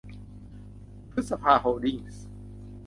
พฤกษา โฮลดิ้ง